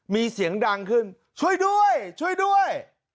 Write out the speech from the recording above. มีเสียงดังขึ้นช่วยด้วยช่วยด้วย